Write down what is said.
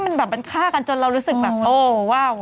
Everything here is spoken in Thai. มันแบบมันฆ่ากันจนเรารู้สึกแบบโอ้ว้าว